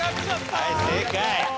はい正解。